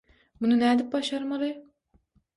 Muny nädip başarmaly?